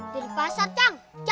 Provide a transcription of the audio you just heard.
dari pasar cang